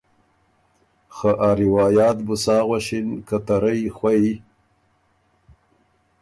خه ا روایات بُو سا غؤݭِن که ته رئ خوئ